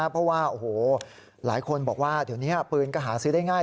เพราะว่าโอ้โหหลายคนบอกว่าเดี๋ยวนี้ปืนก็หาซื้อได้ง่าย